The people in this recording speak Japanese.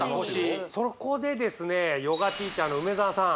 そこでですねヨガティーチャーの梅澤さん